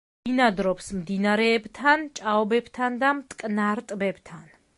ბინადრობს მდინარეებთან, ჭაობებთან და მტკნარ ტბებთან.